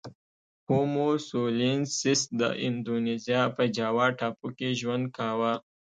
هومو سولوینسیس د اندونزیا په جاوا ټاپو کې ژوند کاوه.